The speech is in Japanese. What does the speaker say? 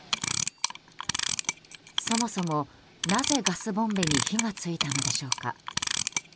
そもそも、なぜガスボンベに火が付いたのでしょうか。